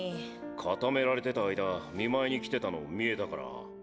固められてた間見舞いに来てたの見えたから。